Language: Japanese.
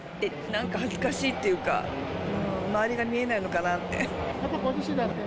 なんか恥ずかしいっていうか、周りが見えないのかなって。